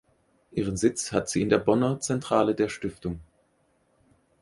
Ihren Sitz hat sie in der Bonner Zentrale der Stiftung.